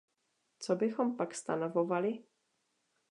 Co bychom pak stanovovali?